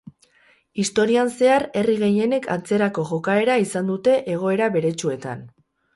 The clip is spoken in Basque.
Historian zehar herri gehienek antzerako jokaera izan dute egoera beretsuetan.